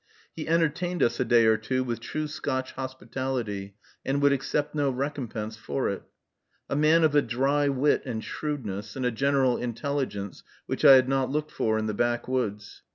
He entertained us a day or two with true Scotch hospitality, and would accept no recompense for it. A man of a dry wit and shrewdness, and a general intelligence which I had not looked for in the back woods.